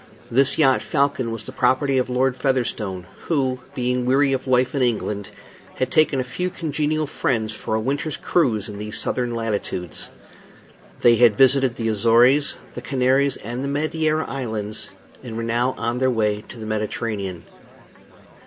This yacht Falcon was the property of Lord Featherstone, who, being weary of life in England, had taken a few congenial friends for a winter's cruise in these southern latitudes. They had visited the Azores, the Canaries, and the Madeira Islands, and were now on their way to the Mediterranean.